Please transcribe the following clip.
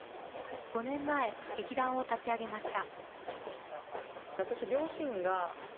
５年前、劇団を立ち上げました。